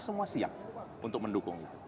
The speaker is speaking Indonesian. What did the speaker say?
semua siap untuk mendukung itu